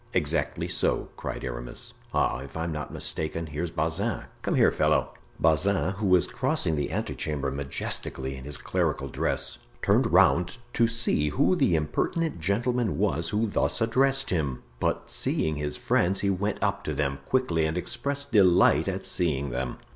"Exactly so," cried Aramis. "Ah! if I'm not mistaken here's Bazin. Come here, fellow." Bazin, who was crossing the ante chamber majestically in his clerical dress, turned around to see who the impertinent gentleman was who thus addressed him; but seeing his friends he went up to them quickly and expressed delight at seeing them.